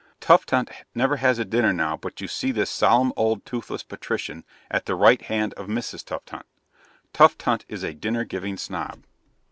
Tufthunt never has a dinner now but you see this solemn old toothless patrician at the right hand of Mrs. Tufthunt Tufthunt is a Dinner giving Snob.